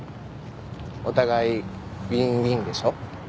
お互いウィンウィンでしょ？